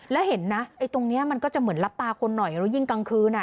แล้วเห็นนะไอ้ตรงนี้มันก็จะเหมือนรับตาคนหน่อยแล้วยิ่งกลางคืนอ่ะ